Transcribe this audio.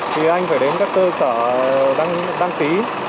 thì anh phải đến các cơ sở đăng ký